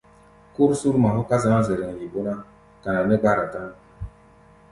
Kúr Surma hɔ́ ká zǎŋ Zɛrɛŋ, yi bó ná, kana nɛ́ gbára tán.